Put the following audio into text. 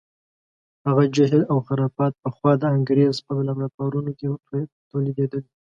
هغه جهل او خرافات پخوا د انګریز په لابراتوارونو کې تولیدېدل.